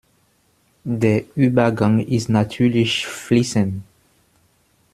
Der Übergang ist natürlich fließend.